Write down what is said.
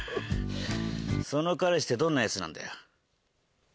その彼氏ってどんなヤツなんだよ？